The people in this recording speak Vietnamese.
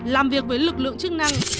làm việc với lực lượng chức năng